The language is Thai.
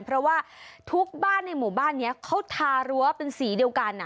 เพราะว่าทุกบ้านในหมู่บ้านนี้เขาทารั้วเป็นสีเดียวกัน